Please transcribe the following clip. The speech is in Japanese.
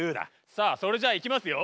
さあそれじゃあいきますよ。